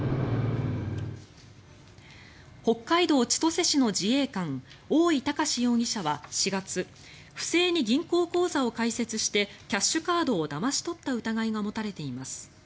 北海道千歳市の自衛官大井崇容疑者は４月不正に銀行口座を開設してキャッシュカードをだまし取った疑いが持たれています。